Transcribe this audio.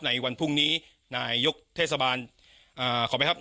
ในวันพรุ่งนี้นายยกเทศบาลขอไปครับ